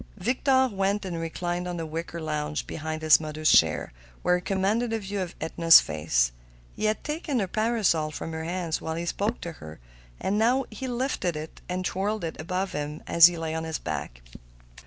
Victor went and reclined on the wicker lounge behind his mother's chair, where he commanded a view of Edna's face. He had taken her parasol from her hands while he spoke to her, and he now lifted it and twirled it above him as he lay on his back.